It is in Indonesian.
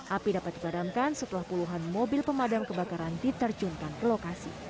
api dapat dipadamkan setelah puluhan mobil pemadam kebakaran diterjunkan ke lokasi